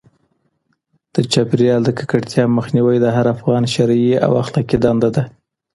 د چاپیریال د ککړتیا مخنیوی د هر افغان شرعي او اخلاقي دنده ده.